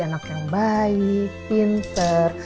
anak yang baik pinter